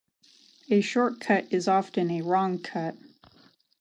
A short cut is often a wrong cut.